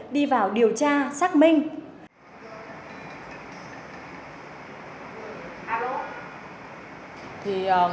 đi vào điều tra xác minh